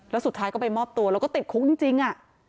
แล้วสุดท้ายก็ไปมอบตัวแล้วก็ติดคุกจริง